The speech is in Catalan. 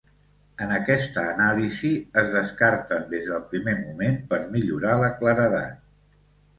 En aquesta anàlisi, es descarten des del primer moment per millorar la claredat.